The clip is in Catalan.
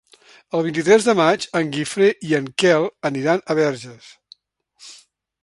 El vint-i-tres de maig en Guifré i en Quel aniran a Verges.